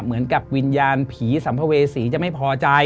เหมือนกับวิญญาณผีสัมภเวษีจะไม่พอใจ